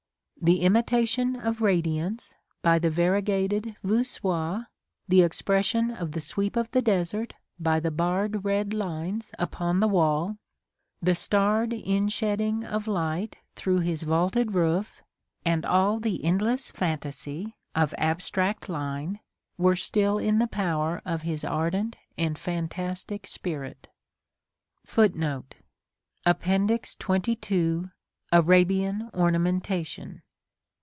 The imitation of radiance by the variegated voussoir, the expression of the sweep of the desert by the barred red lines upon the wall, the starred inshedding of light through his vaulted roof, and all the endless fantasy of abstract line, were still in the power of his ardent and fantastic spirit.